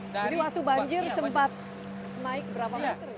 jadi waktu banjir sempat naik berapa meter